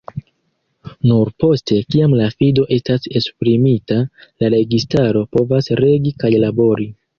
Nur poste, kiam la fido estas esprimita, la registaro povas regi kaj labori.